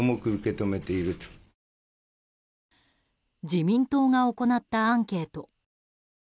自民党が行ったアンケート。